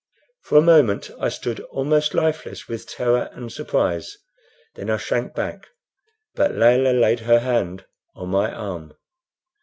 For a moment I stood almost lifeless with terror and surprise. Then I shrank back, but Layelah laid her hand on my arm.